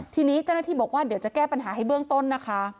ทีนี้เจ้าหน้าที่บอกว่าเดี๋ยวจะแก้ปัญหาให้เบื้องต้นนะคะ